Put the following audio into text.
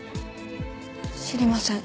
知りません。